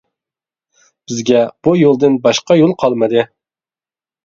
بىزگە بۇ يولدىن باشقا يول قالمىدى.